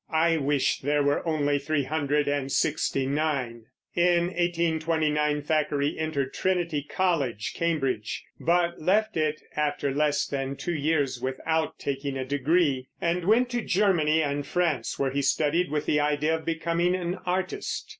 I wish, there were only three hundred and sixty nine." In 1829 Thackeray entered Trinity College, Cambridge, but left after less than two years, without taking a degree, and went to Germany and France where he studied with the idea of becoming an artist.